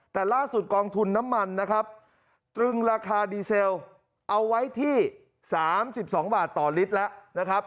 แต่ล่าสุดกองทุนน้ำมันนะครับตรึงราคาดีเซลเอาไว้ที่๓๒บาทต่อลิตรแล้วนะครับ